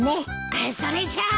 あっそれじゃあ。